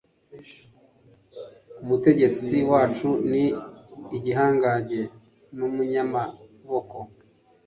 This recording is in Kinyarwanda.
Umutegetsi wacu ni igihangange n’umunyamaboko